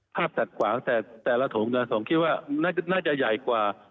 ภาพตัดกวางแต่ละถงแต่ละถงคิดว่าน่าจะใหญ่กว่า